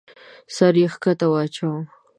سر يې کښته واچاوه.